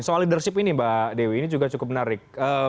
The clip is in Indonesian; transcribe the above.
soal leadership ini mbak dewi ini juga cukup menarik